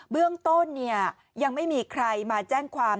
เบื้องต้นยังไม่มีใครมาแจ้งความ